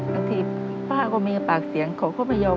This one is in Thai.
ครั้งที่ป้าก็มีปากเสียงขอเขาไปยอม